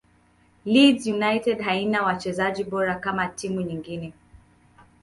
leeds united haina wachezaji bora kama timu nyingine